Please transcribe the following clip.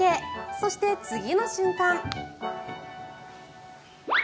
そして、次の瞬間。